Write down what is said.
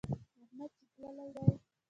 احمد چې تللی دی.